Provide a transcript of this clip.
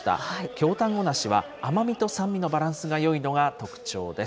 京たんご梨は甘みと酸味のバランスがよいのが特徴です。